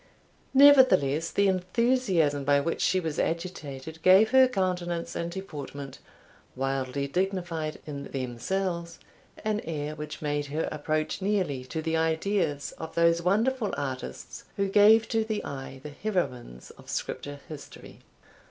Nevertheless, the enthusiasm by which she was agitated gave her countenance and deportment, wildly dignified in themselves, an air which made her approach nearly to the ideas of those wonderful artists who gave to the eye the heroines of Scripture history.